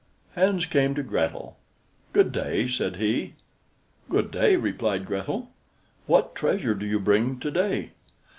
Hans came to Grethel. "Good day," said he. "Good day," replied Grethel, "what treasure do you bring to day?"